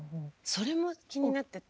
それも気になってて。